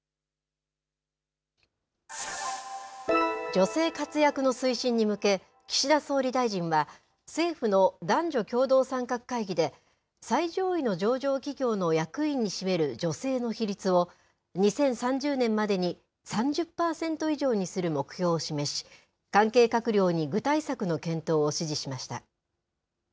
女性活躍の推進に向け岸田総理大臣は政府の男女共同参画会議で最上位の上場企業の役員に占める女性の比率を２０３０年までに３０パーセント以上にする目標を示し関係閣僚に具体策の検討を指示しました。